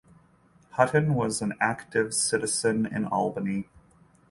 Hutton was an active citizen in Albany.